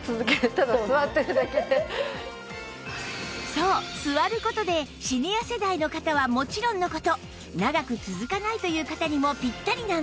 そう座る事でシニア世代の方はもちろんの事長く続かないという方にもピッタリなんです